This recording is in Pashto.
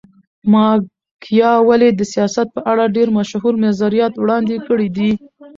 ماکیاولي د سیاست په اړه ډېر مشهور نظریات وړاندي کړي دي.